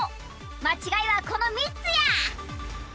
まちがいはこの３つや！